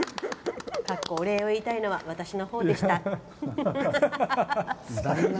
お礼を言いたいのは私のほうでした」。